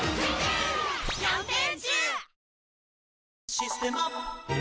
「システマ」